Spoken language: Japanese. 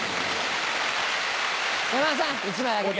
山田さん１枚あげて。